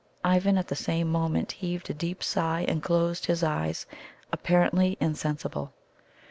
Ivan at the same moment heaved a deep sigh, and closed his eyes, apparently insensible.